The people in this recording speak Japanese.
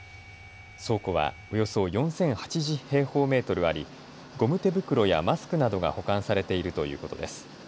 倉庫はおよそ４０８０平方メートルありゴム手袋やマスクなどが保管されているということです。